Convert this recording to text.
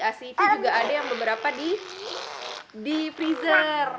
asih itu juga ada yang beberapa di freezer